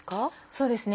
そうですね。